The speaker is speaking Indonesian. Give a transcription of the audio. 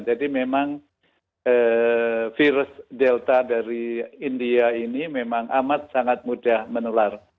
jadi memang virus delta dari india ini memang amat sangat mudah menular